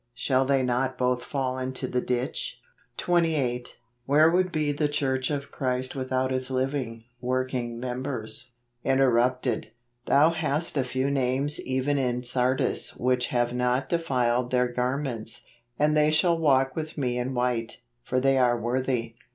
shall they not both fall into the ditch ?" 28. Where would be the church of Christ without its living, working members ? Interrupted. " Thou hast a few names even in Sardis which have not defiled their garments ; and they shall walk with me in white: for they are worthy